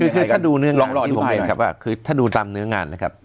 คือถ้าดูเนื้อร้องที่ผมเรียนครับว่าคือถ้าดูตามเนื้องานนะครับ